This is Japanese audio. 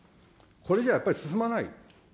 これじゃやっぱり進まない。